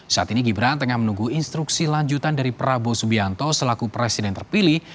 saat ini gibran tengah menunggu instruksi lanjutan dari prabowo subianto selaku presiden terpilih